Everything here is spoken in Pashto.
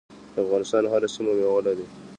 د افغانستان هره سیمه میوه لري.